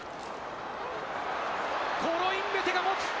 コロインベテが持つ。